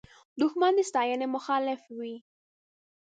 دښمن د ستاینې مخالف وي